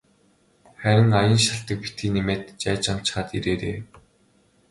Харин аян шалтаг битгий нэмээд жайжганачхаад ирээрэй.